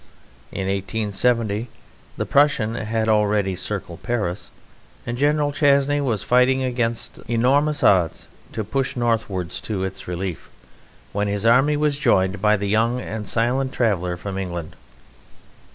In 1870 the Prussian had already encircled Paris, and General Chanzy was fighting against enormous odds to push northwards to its relief, when his army was joined by the young and silent traveller from England.